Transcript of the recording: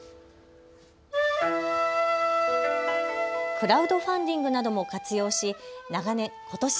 クラウドファンディングなども活用しことし